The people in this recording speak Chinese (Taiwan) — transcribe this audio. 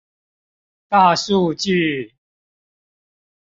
大數據